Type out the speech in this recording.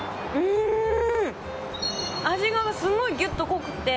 味がすごいギュッと濃くて。